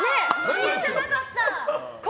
見てなかった！